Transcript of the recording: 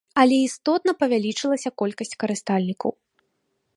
Але істотна павялічылася колькасць карыстальнікаў.